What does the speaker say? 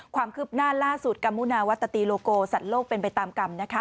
ความคืบหน้าล่าสุดกัมมุนาวัตตีโลโกสัตว์โลกเป็นไปตามกรรมนะคะ